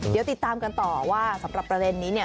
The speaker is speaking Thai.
เดี๋ยวติดตามกันต่อว่าสำหรับประเด็นนี้เนี่ย